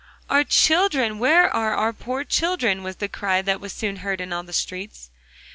'Our children! where are our poor children?' was the cry that was soon heard in all the streets.